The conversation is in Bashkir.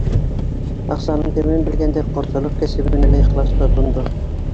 Аҡсаның тәмен белгәндәр ҡортсолоҡ кәсебенә лә ихлас тотондо.